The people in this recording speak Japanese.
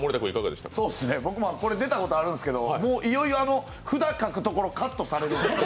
僕もこれ出たことあるんですけど、いよいよ札書くところカットされるんですね。